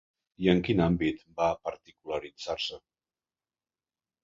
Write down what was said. I en quin àmbit va particularitzar-se?